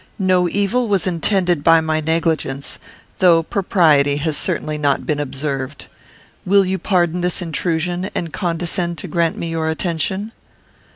No evil was intended by my negligence, though propriety has certainly not been observed. Will you pardon this intrusion, and condescend to grant me your attention?"